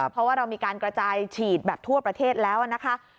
เพราะว่าเรามีการกระจายฉีดแบบทั่วประเทศแล้วนะคะ